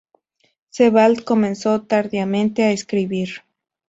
Sebald comenzó tardíamente a escribir.